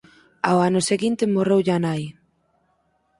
Ao ano seguinte morreulle a nai.